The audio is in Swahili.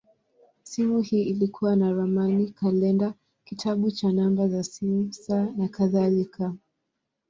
Simu hii ilikuwa na ramani, kalenda, kitabu cha namba za simu, saa, nakadhalika.